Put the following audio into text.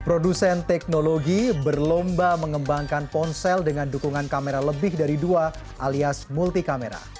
produsen teknologi berlomba mengembangkan ponsel dengan dukungan kamera lebih dari dua alias multi kamera